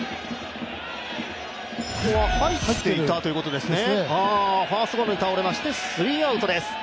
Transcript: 入っていたということですね。